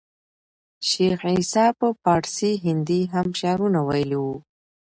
شېخ عیسي په پاړسي هندي هم شعرونه ویلي وو.